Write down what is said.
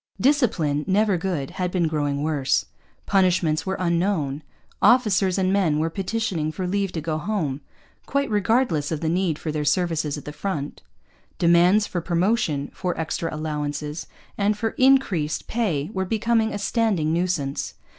Discipline, never good, had been growing worse. Punishments were unknown. Officers and men were petitioning for leave to go home, quite regardless of the need for their services at the front. Demands for promotion, for extra allowances, and for increased pay were becoming a standing nuisance.